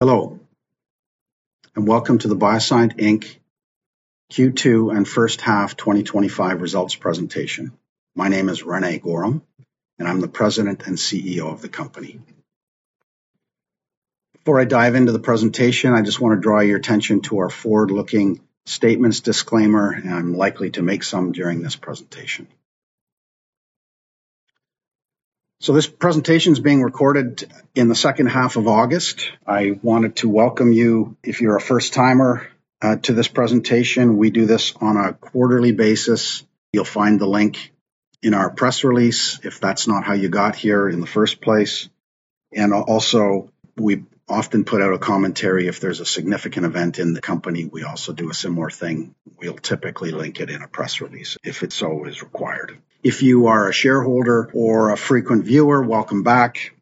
Hello, and welcome to the BioSyent Inc Q2 and First Half 2025 Results Presentation. My name is René Goehrum, and I'm the President and CEO of the company. Before I dive into the presentation, I just want to draw your attention to our forward-looking statements disclaimer, and I'm likely to make some during this presentation. This presentation is being recorded in the second half of August. I wanted to welcome you, if you're a first-timer, to this presentation. We do this on a quarterly basis. You'll find the link in our press release, if that's not how you got here in the first place. We often put out a commentary if there's a significant event in the company. We also do a similar thing. We'll typically link it in a press release if it's always required. If you are a shareholder or a frequent viewer, welcome back.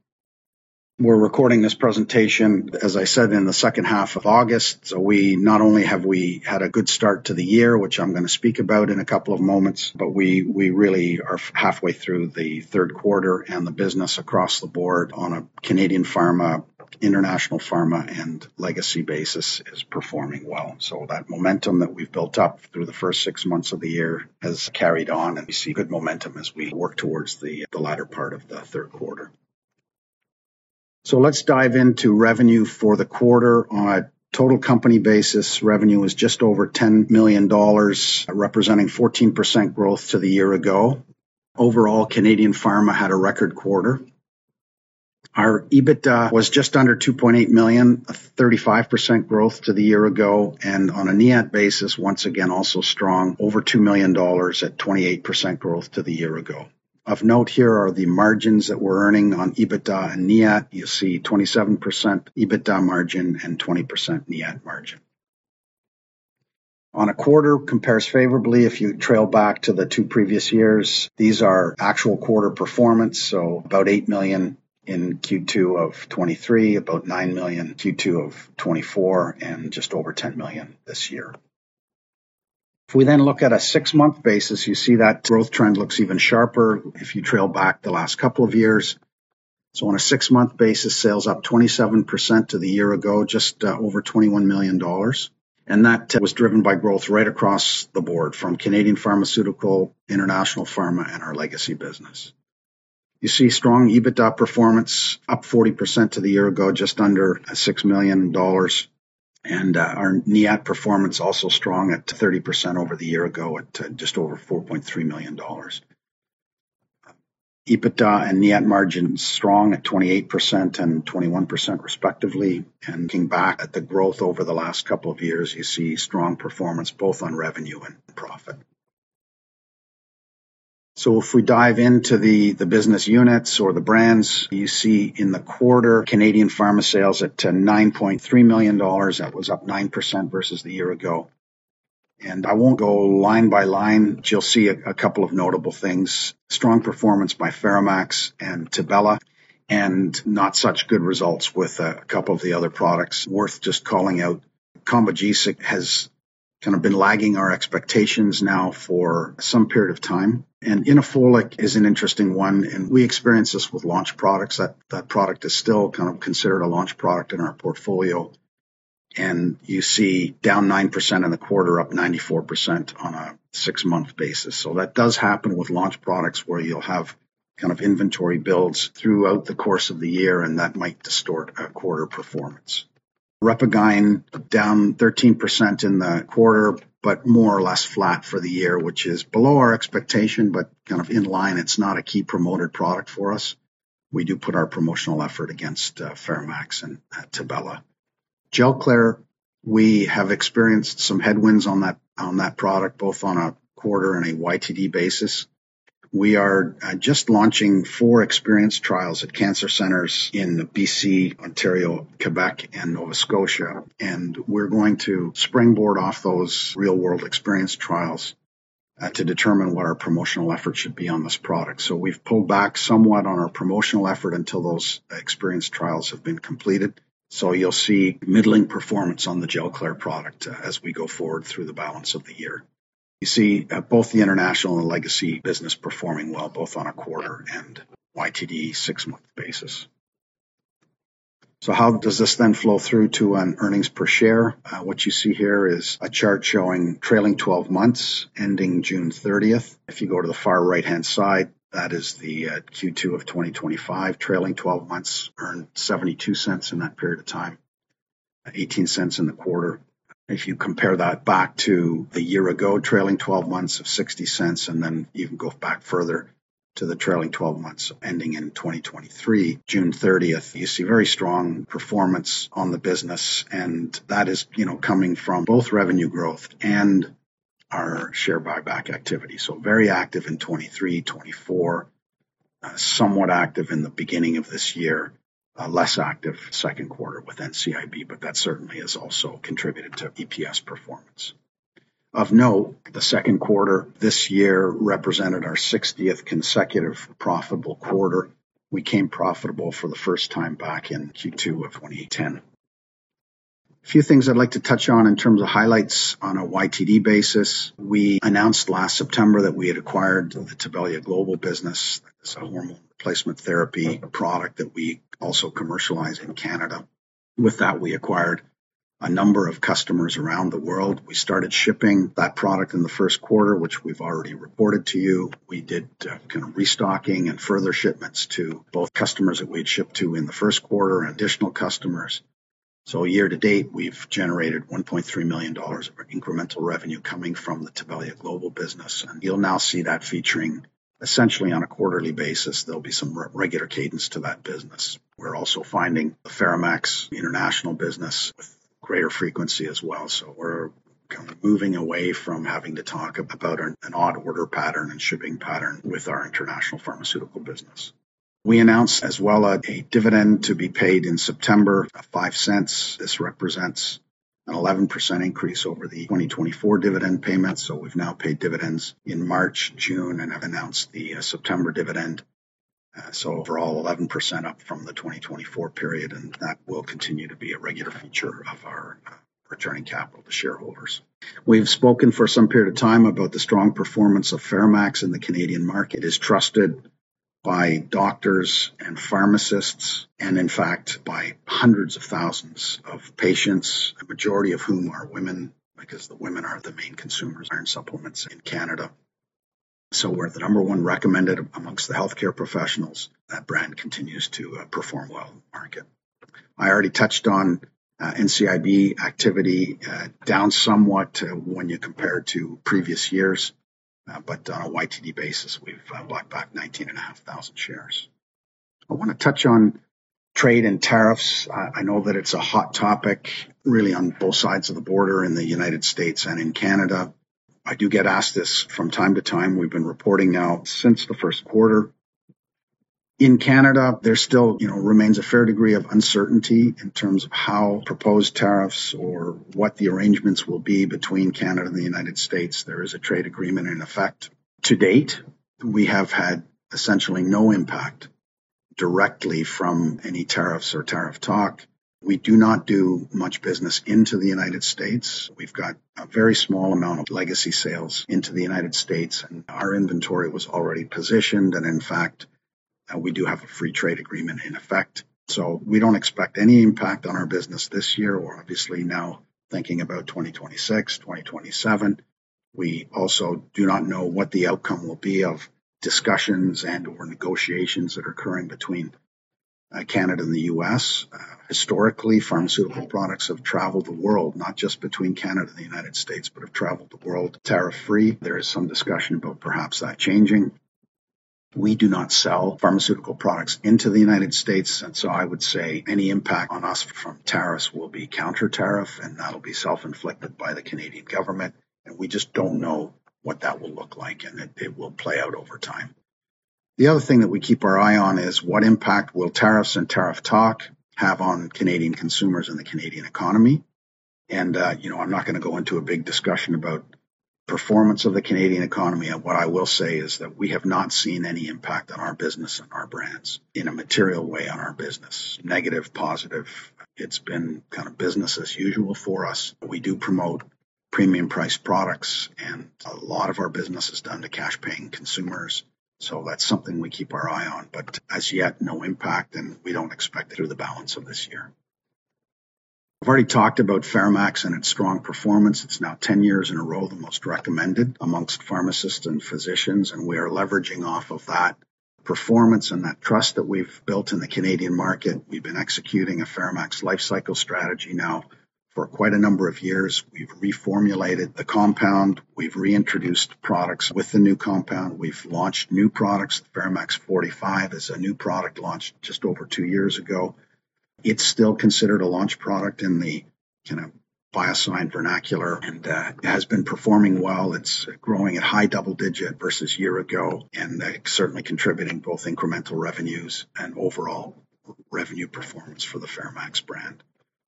We're recording this presentation, as I said, in the second half of August. We not only have had a good start to the year, which I'm going to speak about in a couple of moments, but we really are halfway through the third quarter, and the business across the board on a Canadian pharma, international pharma, and legacy basis is performing well. That momentum that we've built up through the first six months of the year has carried on, and we see good momentum as we work towards the latter part of the third quarter. Let's dive into revenue for the quarter. On a total company basis, revenue was just over $10 million, representing 14% growth to the year ago. Overall, Canadian pharma had a record quarter. Our EBITDA was just under $2.8 million, 35% growth to the year ago, and on a NIAT basis, once again, also strong, over $2 million at 28% growth to the year ago. Of note here are the margins that we're earning on EBITDA and NIAT. You'll see 27% EBITDA margin and 20% NIAT margin. On a quarter, it compares favorably if you trail back to the two previous years. These are actual quarter performance, so about $8 million in Q2 of 2023, about $9 million in Q2 of 2024, and just over $10 million this year. If we then look at a six-month basis, you see that growth trend looks even sharper if you trail back the last couple of years. On a six-month basis, sales up 27% to the year ago, just over $21 million. That was driven by growth right across the board from Canadian pharmaceutical, international pharma, and our legacy business. You see strong EBITDA performance, up 40% to the year ago, just under $6 million. Our NIAT performance also strong at 30% over the year ago, at just over $4.3 million. EBITDA and NIAT margins strong at 28% and 21% respectively. Looking back at the growth over the last couple of years, you see strong performance both on revenue and profit. If we dive into the business units or the brands, you see in the quarter, Canadian pharma sales at $9.3 million. That was up 9% versus the year ago. I won't go line by line. You'll see a couple of notable things: strong performance by FeraMAX and Tibella, and not such good results with a couple of the other products. Worth just calling out, Combogesic has kind of been lagging our expectations now for some period of time. Inofolic is an interesting one, and we experienced this with launch products. That product is still kind of considered a launch product in our portfolio. You see down 9% in the quarter, up 94% on a six-month basis. That does happen with launch products where you'll have kind of inventory builds throughout the course of the year, and that might distort a quarter performance. RepaGyn, down 13% in the quarter, but more or less flat for the year, which is below our expectation, but kind of in line. It's not a key promoter product for us. We do put our promotional effort against FeraMAX and Tibella. Gelclair, we have experienced some headwinds on that product, both on a quarter and a YTD basis. We are just launching four experience trials at cancer centers in BC, Ontario, Quebec, and Nova Scotia. We're going to springboard off those real-world experience trials to determine what our promotional effort should be on this product. We've pulled back somewhat on our promotional effort until those experience trials have been completed. You'll see middling performance on the Gelclair product as we go forward through the balance of the year. You see both the international and legacy business performing well, both on a quarter and YTD six-month basis. How does this then flow through to an earnings per share? What you see here is a chart showing trailing 12 months, ending June 30, 2025. If you go to the far right-hand side, that is the Q2 of 2025, trailing 12 months, earned $0.72 in that period of time, $0.18 in the quarter. If you compare that back to the year ago, trailing 12 months of $0.60, and then you can go back further to the trailing 12 months ending in 2023, June 30th, you see very strong performance on the business. That is, you know, coming from both revenue growth and our share buyback activity. Very active in 2023, 2024, somewhat active in the beginning of this year, less active second quarter with NCIB, but that certainly has also contributed to EPS performance. Of note, the second quarter this year represented our 60th consecutive profitable quarter. We became profitable for the first time back in Q2 of 2010. A few things I'd like to touch on in terms of highlights on a YTD basis. We announced last September that we had acquired the Tibella Global business. It's a hormone replacement therapy product that we also commercialize in Canada. With that, we acquired a number of customers around the world. We started shipping that product in the first quarter, which we've already reported to you. We did kind of restocking and further shipments to both customers that we'd shipped to in the first quarter and additional customers. Year-to-date, we've generated $1.3 million of incremental revenue coming from the Tibella Global business. You'll now see that featuring essentially on a quarterly basis. There'll be some regular cadence to that business. We're also finding the FeraMAX international business greater frequency as well. We're moving away from having to talk about an odd order pattern and shipping pattern with our international pharmaceutical business. We announced as well a dividend to be paid in September at $0.05. This represents an 11% increase over the 2024 dividend payment. We've now paid dividends in March, June, and have announced the September dividend. Overall, 11% up from the 2024 period, and that will continue to be a regular feature of our returning capital to shareholders. We've spoken for some period of time about the strong performance of FeraMAX in the Canadian market. It is trusted by doctors and pharmacists, and in fact, by hundreds of thousands of patients, the majority of whom are women, because the women are the main consumers of iron supplements in Canada. We're at the number one recommended amongst the healthcare professionals. That brand continues to perform well in the market. I already touched on NCIB activity, down somewhat when you compare it to previous years, but on a YTD basis, we've bought back 19.5 thousand shares. I want to touch on trade and tariffs. I know that it's a hot topic, really on both sides of the border, in the United States and in Canada. I do get asked this from time to time. We've been reporting now since the first quarter. In Canada, there still remains a fair degree of uncertainty in terms of how proposed tariffs or what the arrangements will be between Canada and the United States. There is a trade agreement in effect. To date, we have had essentially no impact directly from any tariffs or tariff talk. We do not do much business into the United States. We've got a very small amount of legacy sales into the United States, and our inventory was already positioned, and in fact, we do have a free trade agreement in effect. We don't expect any impact on our business this year, or obviously now thinking about 2026, 2027. We also do not know what the outcome will be of discussions and/or negotiations that are occurring between Canada and the U.S. Historically, pharmaceutical products have traveled the world, not just between Canada and the United States, but have traveled the world tariff-free. There is some discussion about perhaps that changing. We do not sell pharmaceutical products into the United States, and I would say any impact on us from tariffs will be counter-tariff, and that'll be self-inflicted by the Canadian government. We just don't know what that will look like, and it will play out over time. The other thing that we keep our eye on is what impact will tariffs and tariff talk have on Canadian consumers and the Canadian economy? I'm not going to go into a big discussion about performance of the Canadian economy. What I will say is that we have not seen any impact on our business and our brands in a material way on our business. Negative, positive, it's been kind of business as usual for us. We do promote premium priced products, and a lot of our business is done to cash-paying consumers. That's something we keep our eye on, but as yet, no impact, and we don't expect through the balance of this year. I've already talked about FeraMAX and its strong performance. It's now 10 years in a row, the most recommended amongst pharmacists and physicians, and we are leveraging off of that performance and that trust that we've built in the Canadian market. We've been executing a FeraMAX lifecycle strategy now for quite a number of years. We've reformulated the compound. We've reintroduced products with the new compound. We've launched new products. FeraMAX 45 is a new product launched just over two years ago. It's still considered a launch product in the kind of BioSyent vernacular and has been performing well. It's growing at high double-digit versus a year ago, and that's certainly contributing both incremental revenues and overall revenue performance for the FeraMAX brand.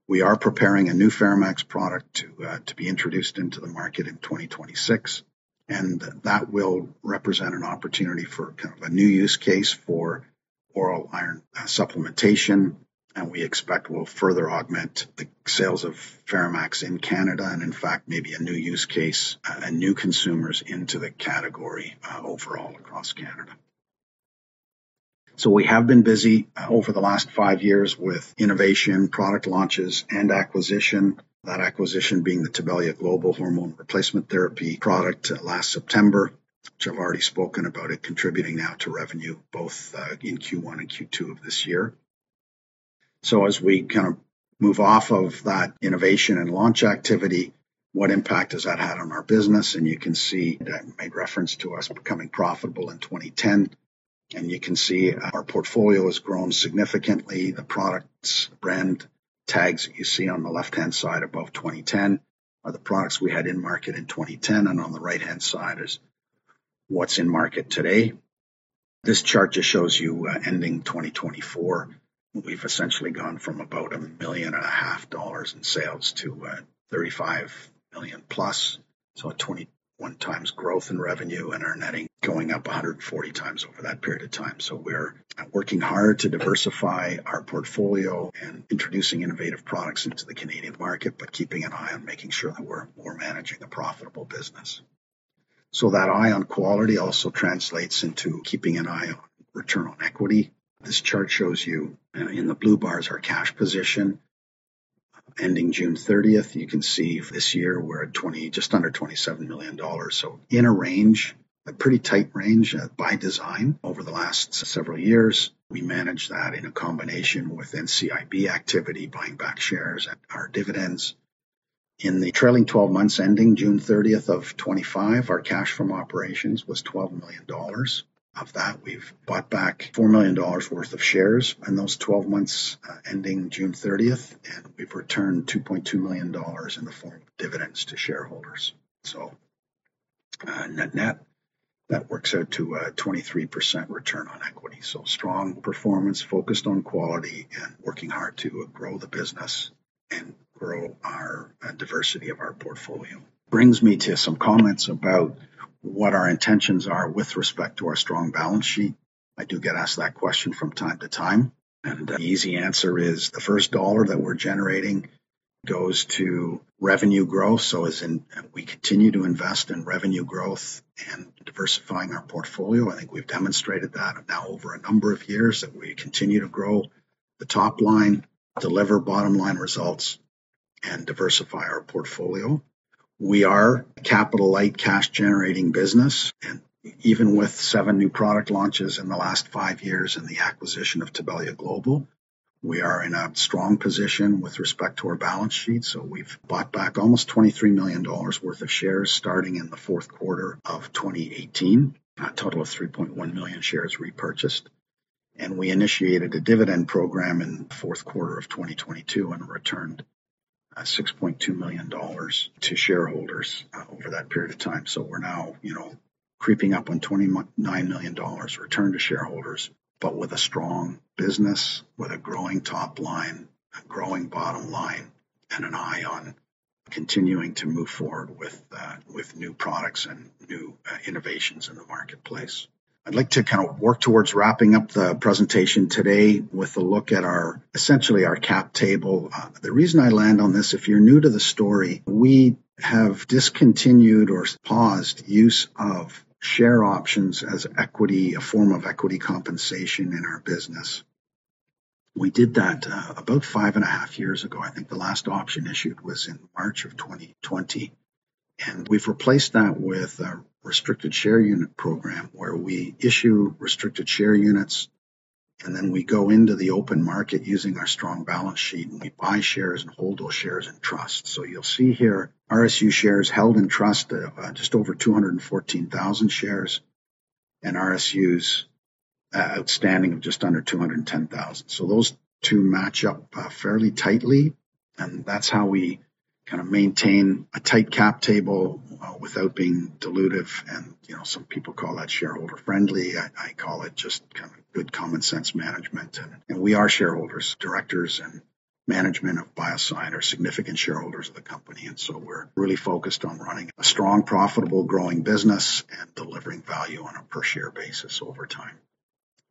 We are preparing a new FeraMAX product to be introduced into the market in 2026, and that will represent an opportunity for kind of a new use case for oral iron supplementation. We expect we'll further augment the sales of FeraMAX in Canada, and in fact, maybe a new use case and new consumers into the category overall across Canada. We have been busy over the last five years with innovation, product launches, and acquisition. That acquisition being the Tibella Global hormone replacement therapy product last September, which I've already spoken about, contributing now to revenue both in Q1 and Q2 of this year. As we kind of move off of that innovation and launch activity, what impact has that had on our business? You can see that I made reference to us becoming profitable in 2010, and you can see our portfolio has grown significantly. The products, brand tags that you see on the left-hand side above 2010 are the products we had in market in 2010, and on the right-hand side is what's in market today. This chart just shows you ending 2024. We've essentially gone from about $1.5 million in sales to $35 million+. At 21 times growth in revenue, and our netting going up 140X over that period of time. We're working hard to diversify our portfolio, introducing innovative products into the Canadian market, but keeping an eye on making sure that we're managing a profitable business. That eye on quality also translates into keeping an eye on return on equity. This chart shows you in the blue bars our cash position. Ending June 30th, you can see this year we're at just under $27 million. In a range, a pretty tight range by design over the last several years. We managed that in a combination with NCIB activity, buying back shares and our dividends. In the trailing 12 months, ending June 30th of 2025, our cash from operations was $12 million. Of that, we've bought back $4 million worth of shares, and those 12 months ending June 30, we've returned $2.2 million in the form of dividends to shareholders. Net-net, that works out to a 23% return on equity. Strong performance focused on quality, working hard to grow the business. Our diversity of our portfolio brings me to some comments about what our intentions are with respect to our strong balance sheet. I do get asked that question from time to time, and the easy answer is the first dollar that we're generating goes to revenue growth. As in, we continue to invest in revenue growth and diversifying our portfolio. I think we've demonstrated that now over a number of years that we continue to grow the top line, deliver bottom line results, and diversify our portfolio. We are a capital-light cash-generating business, and even with seven new product launches in the last five years and the acquisition of Tibella Global, we are in a strong position with respect to our balance sheet. We've bought back almost $23 million worth of shares starting in the fourth quarter of 2018, a total of 3.1 million shares repurchased. We initiated a dividend program in the fourth quarter of 2022 and returned $6.2 million to shareholders over that period of time. We're now, you know, creeping up on $29 million return to shareholders, with a strong business, with a growing top line, growing bottom line, and an eye on continuing to move forward with new products and new innovations in the marketplace. I'd like to kind of work towards wrapping up the presentation today with a look at our, essentially, our cap table. The reason I land on this, if you're new to the story, we have discontinued or paused the use of share options as a form of equity compensation in our business. We did that about five and a half years ago. I think the last option issued was in March of 2020. We've replaced that with a restricted share unit program where we issue restricted share units, and then we go into the open market using our strong balance sheet, and we buy shares and hold those shares in trust. You'll see here RSU shares held in trust, just over 214,000 shares, and RSUs outstanding of just under 210,000. Those two match up fairly tightly, and that's how we kind of maintain a tight cap table without being dilutive. Some people call that shareholder-friendly. I call it just kind of good common sense management. We are shareholders. Directors and management of BioSyent are significant shareholders of the company, so we're really focused on running a strong, profitable, growing business and delivering value on a per-share basis over time.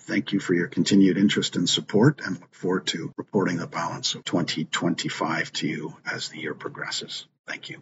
Thank you for your continued interest and support, and look forward to reporting the balance of 2025 to you as the year progresses. Thank you.